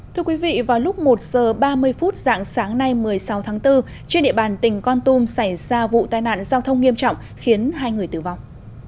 thưa quý vị vào lúc một giờ ba mươi phút dạng sáng nay một mươi sáu tháng bốn trên địa bàn tỉnh con tum xảy ra vụ tai nạn giao thông nghiêm trọng khiến hai người tử vong